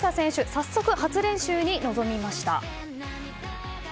早速、初練習に臨みました。